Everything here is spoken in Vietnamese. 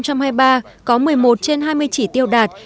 có một mươi một trên hai mươi chỉ tiêu đạt